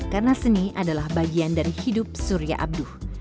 karena seni adalah bagian dari hidup surya abduh